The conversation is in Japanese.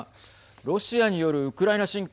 ロシアによるウクライナ侵攻